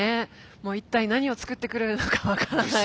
もう一体何を作ってくれるのか分からない。